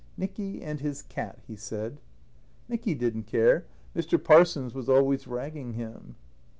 "Nicky and his cat!" he said. Nicky didn't care. Mr. Parsons was always ragging him.